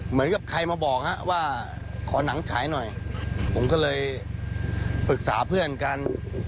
เหมือนกับใครมาบอกว่าขอหนังฉายหน่อยผมก็เลยปรึกษาเพื่อนกัน